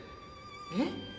えっ？